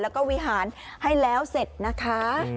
แล้วก็วิหารให้แล้วเสร็จนะคะ